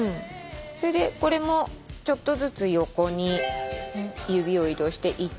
それでこれもちょっとずつ横に指を移動して１・２・３。